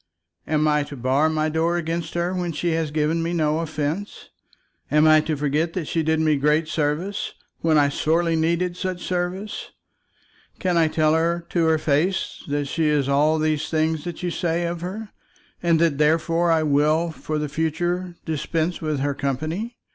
Am I to bar my door against her when she has given me no offence? Am I to forget that she did me great service, when I sorely needed such services? Can I tell her to her face that she is all these things that you say of her, and that therefore I will for the future dispense with her company?